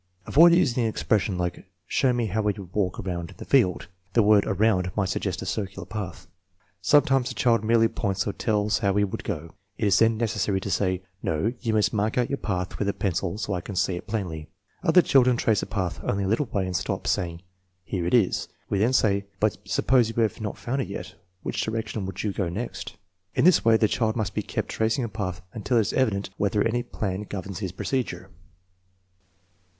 Avoid using an expression like, " Show me how you would walk around in the field "; the word around might suggest a cir cular path. Sometimes the child merely points or tells how he would go. It is then necessary to say: "No; you must mark out your path with the pencil so I can see it plainly." Other children trace a path only a little way and stop, saying: "Here it is." We then say: "But suppose you have not found it yet. Which direction would you go next ?" In this way the child must be kept tracing a path until it is evident whether any plan governs his procedure.